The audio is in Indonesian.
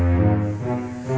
belum ada uangnya